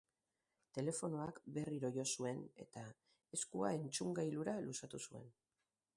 Telefonoak berriro jo zuen, eta eskua entzungailura luzatu zuen.